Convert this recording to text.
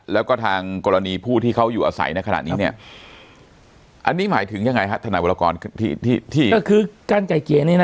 แล้วก็ทางกรณีผู้ที่เขาอยู่อาศัยในขณะนี้เนี้ยอันนี้หมายถึงยังไงหรอธนาบรรกรที่